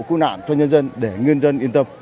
cứu nạn cho nhân dân để nhân dân yên tâm